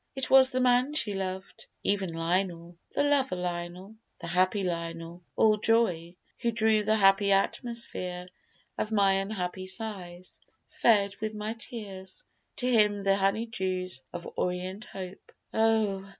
It was the man she loved, even Lionel, The lover Lionel, the happy Lionel, All joy; who drew the happy atmosphere Of my unhappy sighs, fed with my tears, To him the honey dews of orient hope. Oh!